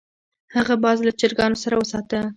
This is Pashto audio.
هغه باز له چرګانو سره وساته.